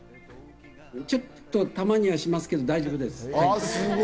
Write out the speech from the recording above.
たまにはしますけど大丈夫です。